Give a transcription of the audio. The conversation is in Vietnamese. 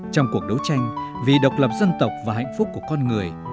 trong cuộc đấu tranh vì độc lập dân tộc và hạnh phúc của con người